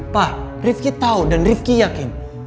pa rifki tau dan rifki yakin